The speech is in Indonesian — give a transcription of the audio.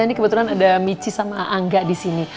ini kebetulan ada michi sama angga di sini